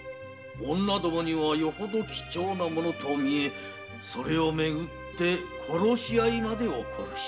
女にはよほど貴重な物とみえそれを巡って殺し合いまで起こる始末。